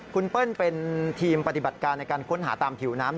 คุณเปิ้ลเป็นทีมปฏิบัติการในการค้นหาตามผิวน้ำ